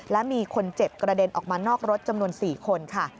และมีคนเจ็บกระเด็นออกมานอกรถจำนวน๔คนค่ะ